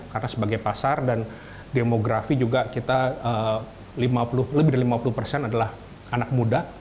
karena sebagai pasar dan demografi juga kita lima puluh lebih dari lima puluh adalah anak muda